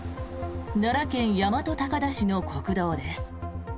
奈良県大和高田市の国道です。